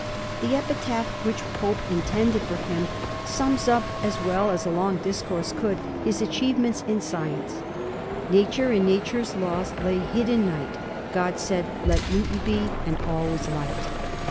The epitaph which Pope intended for him sums up as well as a long discourse could do his achievements in science — Nature and Nature's laws lay hid in night ; God said, ' Let Newton be/ and all was light.